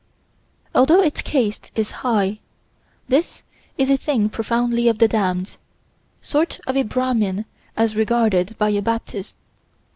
Although its caste is high, this is a thing profoundly of the damned sort of a Brahmin as regarded by a Baptist.